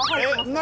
何？